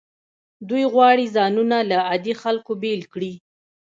دوی غواړي ځانونه له عادي خلکو بیل کړي.